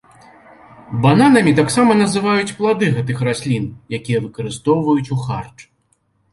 Бананамі таксама называюць плады гэтых раслін, якія выкарыстоўваюць у харч.